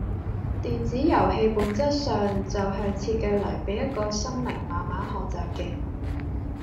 電子遊戲本質上就係設計嚟俾一個心靈慢慢學習嘅